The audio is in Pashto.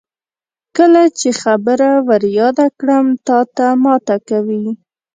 کله چې خبره ور یاده کړم تاته ماته کوي.